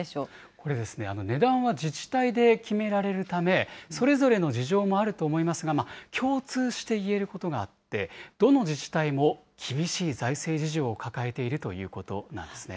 これ、値段は自治体で決められるため、それぞれの事情もあると思いますが、共通していえることがあって、どの自治体も厳しい財政事情を抱えているということなんですね。